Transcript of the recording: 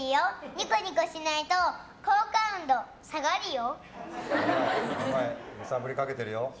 ニコニコしないと好感度下がるよ！